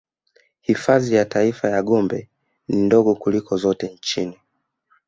Hifadhi ya Taifa ya Gombe ni ndogo kuliko zote nchini